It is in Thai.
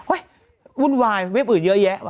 เฮ้ยวุ่นวายเว็บอื่นเยอะแยะ